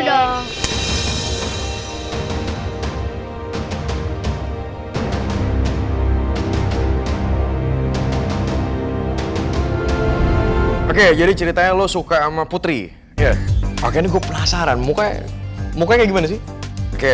oke jadi ceritanya lo suka ama putri ya oke gue penasaran mukanya mukanya gimana sih oke